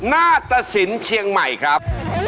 หน้าตสินเชียงใหม่ครับ